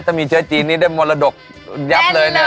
ถ้ามีเชื้อจีนนี้ได้มรดกยับเลยนะ